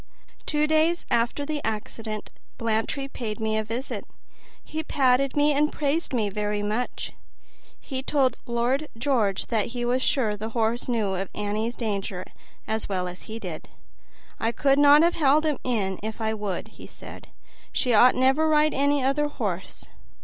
Two days after the accident Blantyre paid me a visit; he patted me and praised me very much; he told Lord George that he was sure the horse knew of Annie's danger as well as he did. "I could not have held him in if I would," said he, "she ought never to ride any other horse."